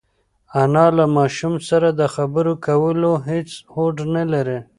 انا له ماشوم سره د خبرو کولو هېڅ هوډ نهلري.